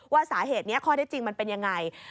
ว่าสาเหตุนี้ข้อได้จริงมันเป็นยังไง